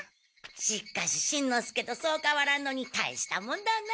しっかししんのすけとそう変わらんのに大したもんだな。